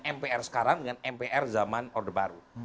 mpr sekarang dengan mpr zaman orde baru